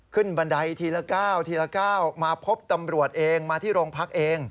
ขึ้นบันไดทีละ๙มาพบตำรวจเองมาที่โรงพักเอง